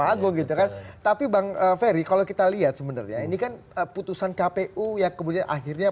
pause kalian tapi bang ferry kalau kita lihat sebenarnya ini kan putusan kpu ya kemudian akhirnya